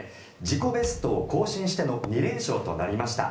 自己ベストを更新しての２連勝となりました。